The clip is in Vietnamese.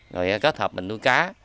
rồi kết hợp mình nuôi cá